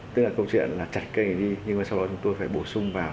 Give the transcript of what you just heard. tức là câu chuyện là chặt cây đi nhưng mà sau đó chúng tôi phải bổ sung vào